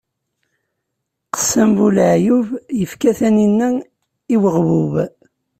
Qessam bu leɛyub, ifka taninna i uɣbub.